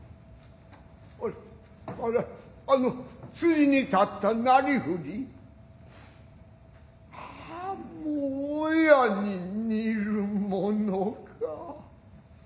アレアレ彼の辻に立ったなりふりああも親に似るものか。